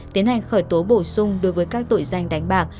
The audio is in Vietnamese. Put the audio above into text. tiến hành khởi tố bổ sung đối với các tội danh đánh bạc